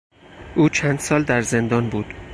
او چند سال در زندان بود.